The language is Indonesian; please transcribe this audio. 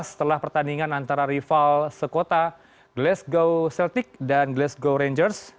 setelah pertandingan antara rival sekota glasgow celtic dan glasgow rangers